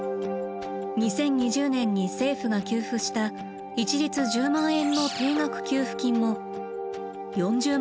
２０２０年に政府が給付した一律１０万円の定額給付金も４０万